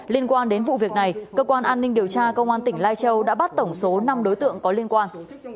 liên quan đến vụ việc này cơ quan an ninh điều tra công an tỉnh lai châu đã bắt tổng số năm đối tượng có liên quan